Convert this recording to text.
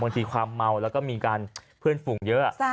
ความเมาแล้วก็มีการเพื่อนฝูงเยอะ